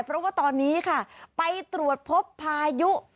เพราะว่าตอนนี้ค่ะไปตรวจพบพายุ